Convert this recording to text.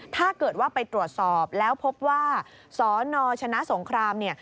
ถ้าเกิดว่าไปตรวจสอบแล้วพบว่าสนชนะสงครามเนี่ย